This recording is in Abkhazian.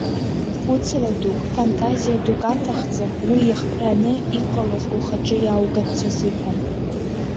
Хәыцра дук, фантазиа дук аҭахӡам уи иахҟьаны иҟалаз ухаҿы иааугарц азыҳәан.